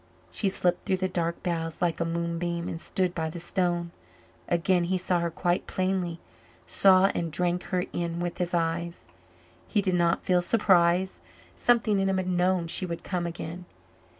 She slipped through the dark boughs like a moonbeam and stood by the stone. Again he saw her quite plainly saw and drank her in with his eyes. He did not feel surprise something in him had known she would come again.